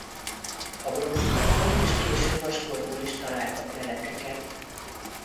A bronzkorból és késő vaskorból is találtak leleteket.